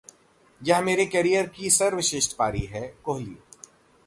यह मेरे कैरियर की सर्वश्रेष्ठ पारी है: कोहली